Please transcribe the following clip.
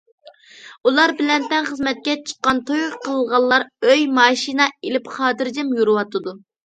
ئۇلار بىلەن تەڭ خىزمەتكە چىققان، توي قىلغانلار ئۆي، ماشىنا ئېلىپ خاتىرجەم يۈرۈۋاتىدۇ.